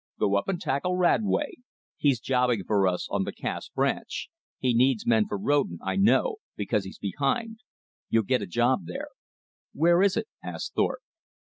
"Go up and tackle Radway. He's jobbing for us on the Cass Branch. He needs men for roadin', I know, because he's behind. You'll get a job there." "Where is it?" asked Thorpe.